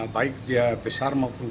baik dia besar maupun